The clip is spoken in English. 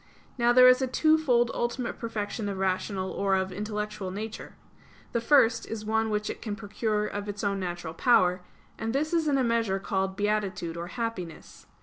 Now there is a twofold ultimate perfection of rational or of intellectual nature. The first is one which it can procure of its own natural power; and this is in a measure called beatitude or happiness.